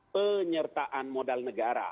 penyertaan modal negara